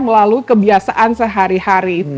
melalui kebiasaan sehari hari